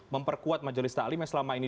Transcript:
memperkuat majelis taklim yang selama ini